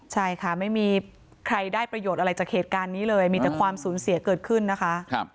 ใช่ค่ะไม่มีใครได้ประโยชน์อะไรจากเหตุการณ์นี้เลยมีแต่ความสูญเสียเกิดขึ้นนะคะ